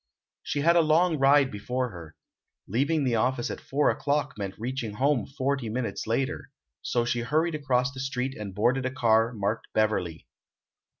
She had a long ride before her. Leaving the office at four o'clock meant reaching home forty minutes later; so she hurried across the street and boarded a car marked "Beverly."